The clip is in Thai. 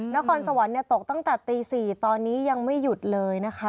นครสวรรค์ตกตั้งแต่ตี๔ตอนนี้ยังไม่หยุดเลยนะคะ